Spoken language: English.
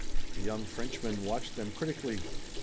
The young Frenchman watched them critically.